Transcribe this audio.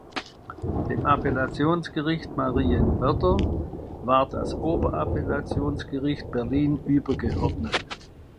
Dem Appellationsgericht Marienwerder war das Oberappellationsgericht Berlin übergeordnet.